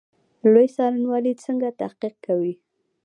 لوی څارنوالي څنګه تحقیق کوي؟